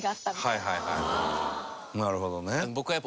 なるほどね。